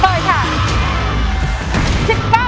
เปิดค่ะ